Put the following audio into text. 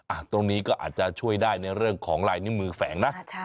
ตรงนี้ก็อาจจะช่วยได้ในเรื่องของลายนิ้วมือแฝงนะ